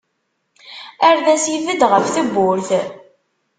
Ar d as-ibedd ɣef tewwurt.